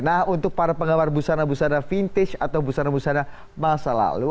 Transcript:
nah untuk para penggemar busana busana vintage atau busana busana masa lalu